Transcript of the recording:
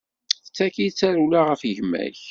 D tagi i tarewla ɣef gma-k.